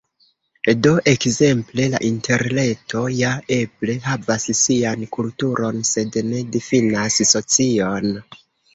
Do ekzemple la Interreto ja eble havas sian kulturon, sed ne difinas socion.